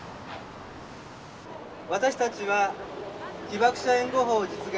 私たちは被爆者援護法実現